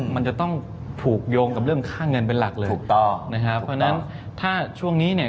มันจะต้องถูกโยงกับเรื่องค่าเงินเป็นหลักเลยถ้าช่วงนี้เนี่ย